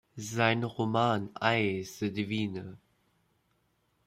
Sein Roman "I, the Divine.